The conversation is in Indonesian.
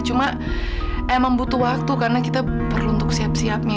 cuma emang butuh waktu karena kita perlu untuk siap siap nih